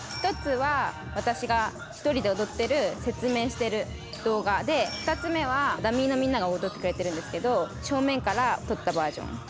１つは私が１人で踊ってる説明してる動画で２つ目はダミーのみんなが踊ってくれてるんですけど正面から撮ったバージョン。